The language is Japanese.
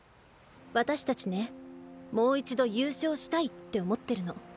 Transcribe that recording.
私たちねもう一度優勝したいって思ってるの。